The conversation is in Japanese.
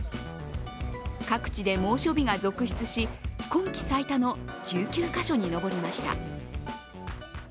各地で猛暑日が続出し今季最多の１９か所に上りました。